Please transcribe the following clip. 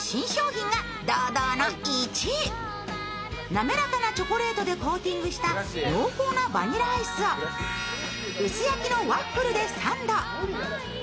なめらかなチョコレートでコーティングした濃厚なバニラアイスを薄焼きのワッフルでサンド。